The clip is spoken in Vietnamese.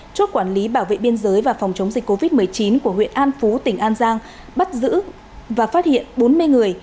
chốt quản lý bảo vệ biên giới và phòng chống dịch covid một mươi chín của huyện an phú tỉnh an giang bắt giữ và phát hiện bốn mươi người